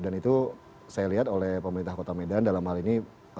dan itu saya lihat oleh pemerintah kota medan dalam hal ini